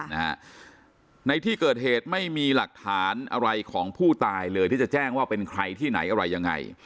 ในที่เกิดเหตุไม่มีหลักฐานอะไรของผู้ตายเลยที่จะแจ้งว่าเป็นใครที่ไหนอะไรยังไง